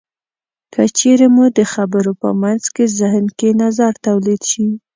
که چېرې مو د خبرو په منځ کې زهن کې نظر تولید شي.